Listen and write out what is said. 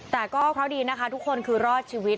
แต่ก็เคราะห์ดีนะคะทุกคนคือรอดชีวิต